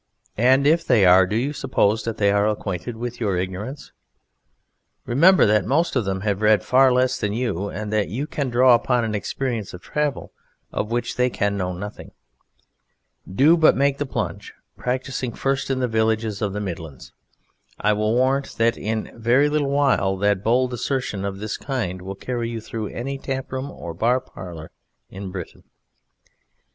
And if they are do you suppose that they are acquainted with your ignorance? Remember that most of them have read far less than you, and that you can draw upon an experience of travel of which they can know nothing; do but make the plunge, practising first in the villages of the Midlands, I will warrant you that in a very little while bold assertion of this kind will carry you through any tap room or bar parlour in Britain.